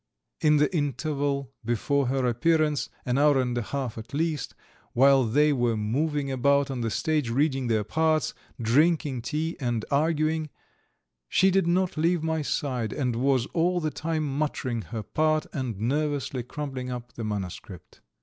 In the interval before her appearance, an hour and a half at least, while they were moving about on the stage reading their parts, drinking tea and arguing, she did not leave my side, and was all the time muttering her part and nervously crumpling up the manuscript.